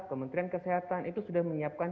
kementerian kesehatan itu sudah menyiapkan